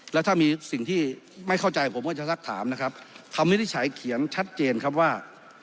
แล้วถ้ามีสิ่งที่ไม่เข้าใจผมก็จะสักถามนะครับคำวินิจฉัยเขียนชัดเจนครับว่า